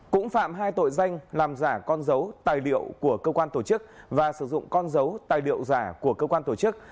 cũng phạm hai tội danh làm giả con dấu tài liệu của cơ quan tổ chức và sử dụng con dấu tài liệu giả của cơ quan tổ chức